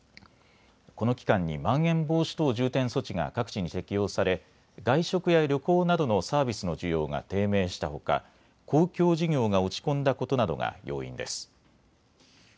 この期間にまん延防止等重点措置が各地に適用され外食や旅行などのサービスの需要が低迷したほか公共事業が落ち込んだことなどが要因です。